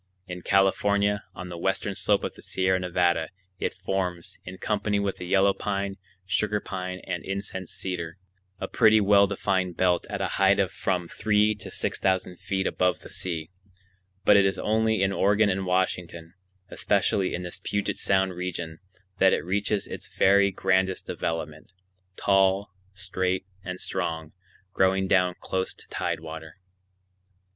In California, on the western slope of the Sierra Nevada, it forms, in company with the yellow pine, sugar pine, and incense cedar, a pretty well defined belt at a height of from three to six thousand feet above the sea; but it is only in Oregon and Washington, especially in this Puget Sound region, that it reaches its very grandest development,—tall, straight, and strong, growing down close to tidewater.